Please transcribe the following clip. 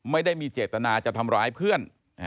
ไม่ได้มีเจตนาจะทำร้ายเพื่อน